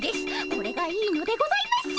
これがいいのでございます！